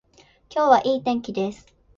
今日はいい天気です